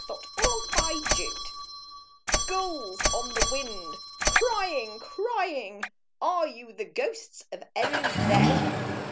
OFF THE IRISH COAST Gulls on the wind, Crying! crying! Are you the ghosts Of Erin's dead?